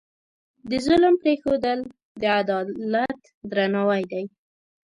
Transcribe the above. د ظلم پرېښودل، د عدالت درناوی دی.